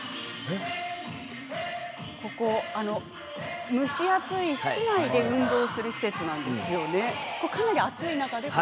ここ、蒸し暑い室内で運動する施設なんですよね。